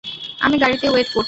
আমি গাড়িতে ওয়েট করছি।